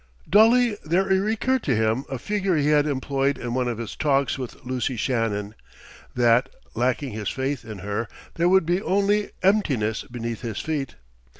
Dully there recurred to him a figure he had employed in one of his talks with Lucy Shannon: that, lacking his faith in her, there would be only emptiness beneath his feet.